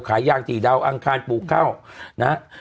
ขายยางที่ดาวอังคารปลูกเข้านะฮะ